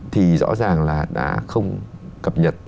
thì rõ ràng là đã không cập nhật